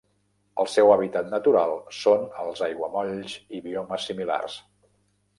El seu hàbitat natural són els aiguamolls i biomes similars.